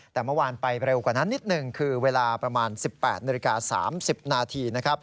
แต่เมื่อวานไปเร็วกว่านั้นนิดนึงคือเวลาประมาณ๑๘น๓๐น